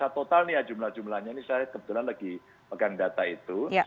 total nih ya jumlah jumlahnya ini saya kebetulan lagi pegang data itu